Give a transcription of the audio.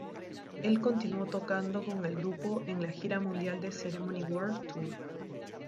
Él continuó tocando con el grupo en la gira mundial de "Ceremony world" tour.